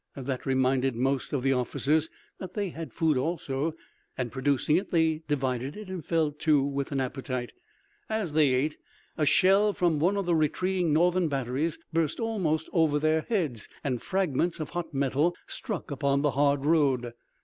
That reminded most of the officers that they had food also, and producing it they divided it and fell to with an appetite. As they ate, a shell from one of the retreating Northern batteries burst almost over their heads and fragments of hot metal struck upon the hard road.